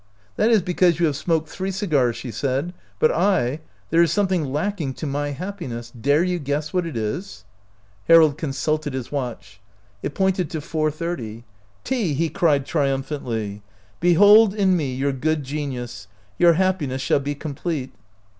" That is because you have smoked three cigars," she said ;" but I — there is some thing lacking to my happiness; dare you guess what it is ?" Harold consulted his watch ; it pointed to four thirty. " Tea! " he cried, triumphantly. " Behold in me your good genius. Your happiness shall be complete."